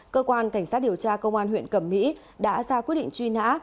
cơ quan cảnh sát điều tra công an huyện cẩm mỹ đã ra quyết định truy nã